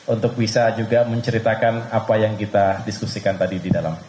untuk bisa juga menceritakan apa yang kita diskusikan tadi di dalam